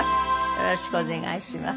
よろしくお願いします。